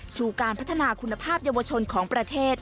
สู่การพัฒนาคุณภาพเยาวชนของประเทศ